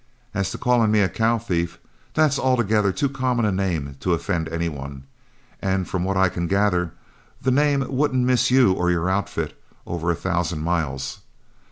As to calling me a cow thief, that's altogether too common a name to offend any one; and from what I can gather, the name wouldn't miss you or your outfit over a thousand miles.